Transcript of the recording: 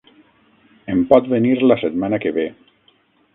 Em pot venir la setmana que ve.